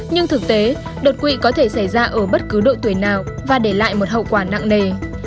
nhưng thực tế đột quỵ có thể xảy ra ở bất cứ độ tuổi nào và để lại một hậu quả nặng nề